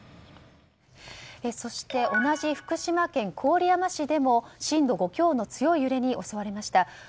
そして、同じ福島県郡山市でも震度５強の強い揺れに襲われました。